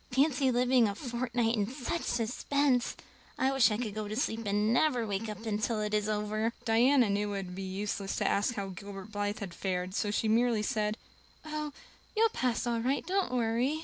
Fancy living a fortnight in such suspense! I wish I could go to sleep and never wake up until it is over." Diana knew it would be useless to ask how Gilbert Blythe had fared, so she merely said: "Oh, you'll pass all right. Don't worry."